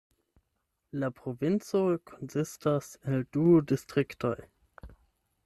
La provinco konsistas el du distriktoj.